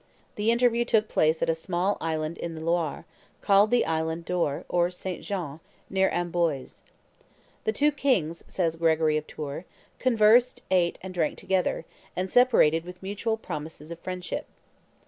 The interview took place at a small island in the Loire, called the Island d'Or or de St. Jean, near Amboise. "The two kings," says Gregory of Tours, "conversed, ate, and drank together, and separated with mutual promises of friendship."